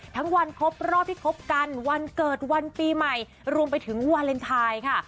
วันครบรอบที่คบกันวันเกิดวันปีใหม่รวมไปถึงวาเลนไทยค่ะ